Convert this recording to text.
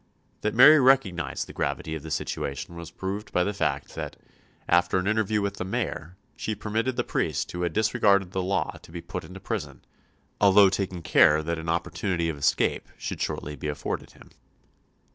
That Mary recognised the gravity of the situation was proved by the fact that, after an interview with the Mayor, she permitted the priest who had disregarded the law to be put into prison, although taking care that an opportunity of escape should shortly be afforded him.